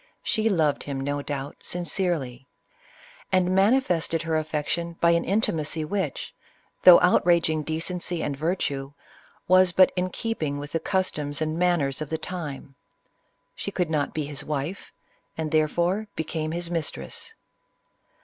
She loved him, no doubt, sincerely ; and manifested her affection by an intimacy, which, though outraging decency and virtue, was but in keeping with the customs and manners of the time. . She could not be his wife, and therefore became his mistress.